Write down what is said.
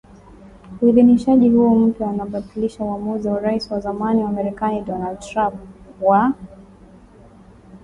Uidhinishaji huo mpya unabatilisha uamuzi wa Rais wa zamani wa Marekani Donald Trump wa